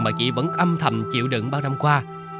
mà chị vẫn âm thầm chịu đựng bao năm qua